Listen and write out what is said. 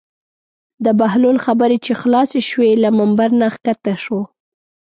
د بهلول خبرې چې خلاصې شوې له ممبر نه کښته شو.